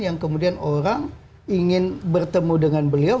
yang kemudian orang ingin bertemu dengan beliau